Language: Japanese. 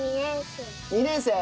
２年生？